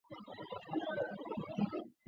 当时此软件是辅助飞机建造。